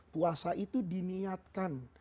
puasa itu diniatkan